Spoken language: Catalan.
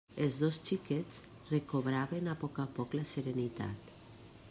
Els dos xiquets recobraven a poc a poc la serenitat.